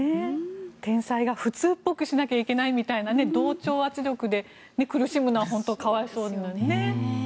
天才が普通っぽくしなければいけないみたいな同調圧力に苦しむのは本当可哀想ですね。